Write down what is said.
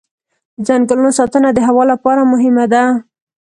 د ځنګلونو ساتنه د هوا لپاره مهمه ده.